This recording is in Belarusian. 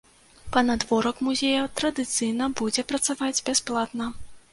Панадворак музея традыцыйна будзе працаваць бясплатна.